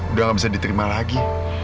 udah gak bisa diterima lagi